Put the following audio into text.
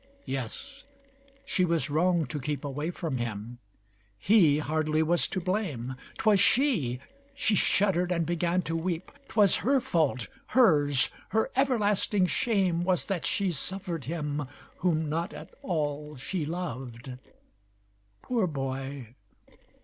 Yes, she was wrong to keep Away from him. He hardly was to blame. 'Twas she she shuddered and began to weep. 'Twas her fault! Hers! Her everlasting shame Was that she suffered him, whom not at all She loved. Poor Boy!